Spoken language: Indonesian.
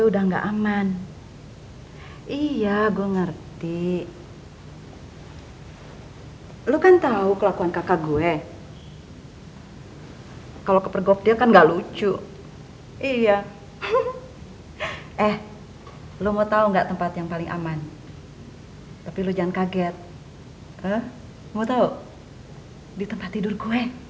dan mas eman harus tetap sayang sama yanti mbok